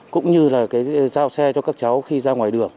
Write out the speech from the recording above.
cũng như là cái giao xe cho các cháu khi ra ngoài đường